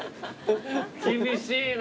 厳しいな。